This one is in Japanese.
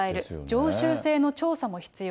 常習性の調査も必要。